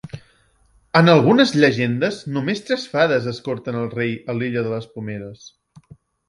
En algunes llegendes només tres fades escorten al rei a l'Illa de les Pomeres.